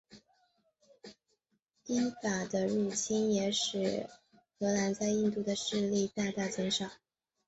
英法的入侵也使荷兰在印度的势力大大减少。